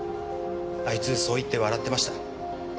あいつそう言って笑ってました。